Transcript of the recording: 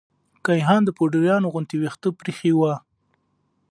کيهان د پوډريانو غوندې ويښته پريخي وه.